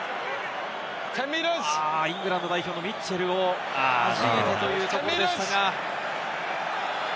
イングランド代表のミッチェルをはじいてというところでしたが。